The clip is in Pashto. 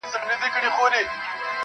• یا یې په برخه د لېوه داړي -